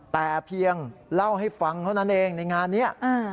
แต่เพียงเล่าให้ฟังเท่านั้นเองในงานนี้